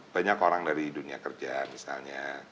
banyak orang dari dunia kerja misalnya